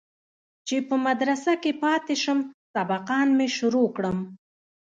چې په مدرسه كښې پاته سم سبقان مې شروع كم.